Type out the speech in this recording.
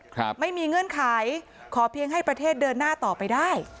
ครับไม่มีเงื่อนไขขอเพียงให้ประเทศเดินหน้าต่อไปได้